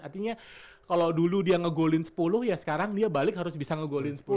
artinya kalau dulu dia ngegolin sepuluh ya sekarang dia balik harus bisa ngegolin sepuluh